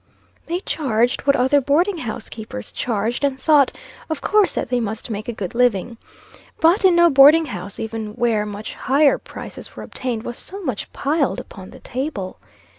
They charged what other boarding house keepers charged, and thought, of course, that they must make a good living. But in no boarding house, even where much higher prices were obtained, was so much piled upon the table.